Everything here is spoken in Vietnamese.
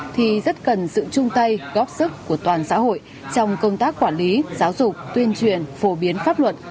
thì rất cần sự chung tay góp sức của toàn xã hội trong công tác quản lý giáo dục tuyên truyền phổ biến pháp luật